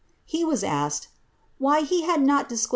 "' He was asked '^why he had ikN disc|i>!